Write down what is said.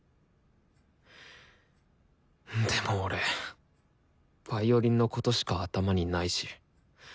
でも俺ヴァイオリンのことしか頭にないし。